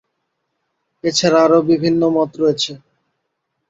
এ ছাড়া আরও বিভিন্ন মত রয়েছে।